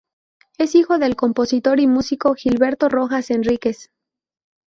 Es hijo del compositor y músico Gilberto Rojas Enríquez.